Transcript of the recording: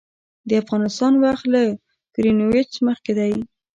د افغانستان وخت له ګرینویچ مخکې دی